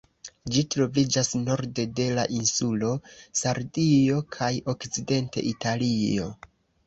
Ĝi troviĝas norde de la insulo Sardio kaj okcidente Italio.